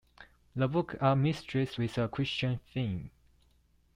The books are mysteries with a Christian theme.